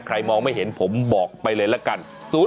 ใครมองไม่เห็นผมบอกไปเลยละกัน๐๘๗๑๙๕๖๑๑๙